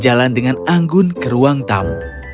dia berjalan dengan anggun ke ruang tamu